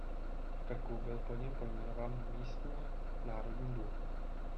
V Krku byl po něm pojmenován místní Národní dům.